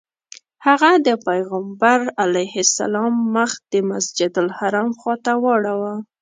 هغه د پیغمبر علیه السلام مخ د مسجدالحرام خواته واړوه.